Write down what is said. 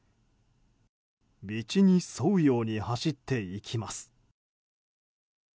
道に沿うように走っていきます。